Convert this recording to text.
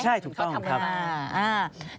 ใช่ถูกต้อง